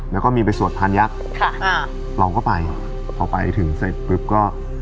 แล้วก็มีไปสวดพานยักษ์ค่ะอ่าเราก็ไปพอไปถึงเสร็จปุ๊บก็